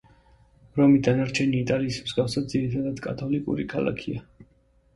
რომი, დანარჩენი იტალიის მსგავსად, ძირითადად, კათოლიკური ქალაქია.